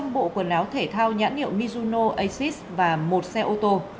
sáu trăm linh bộ quần áo thể thao nhãn hiệu mizuno asis và một xe ô tô